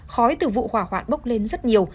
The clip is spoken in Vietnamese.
khói từ vụ hỏa hoạn bốc lên rất nhiều